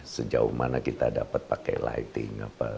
sejauh mana kita dapat pakai lighting